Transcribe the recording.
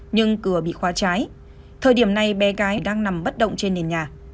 nhưng cửa bị khóa trái thời điểm này bé gái đang nằm bất động trên nền nhà